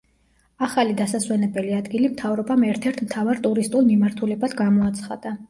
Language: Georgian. ახალი დასასვენებელი ადგილი მთავრობამ ერთ-ერთ მთავარ ტურისტულ მიმართულებად გამოაცხადა.